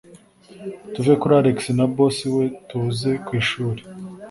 tuve kuri alex na boss we tuze kwishuri